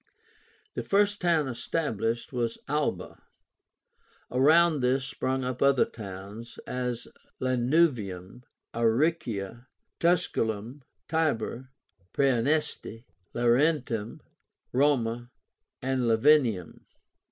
The first town established was ALBA; around this sprung up other towns, as Lanuvium, Aricia, Tusculum, Tibur, Praeneste, Laurentum, Roma, and Lavinium.